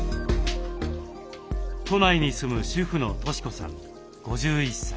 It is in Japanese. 都内に住む主婦の俊子さん５１歳。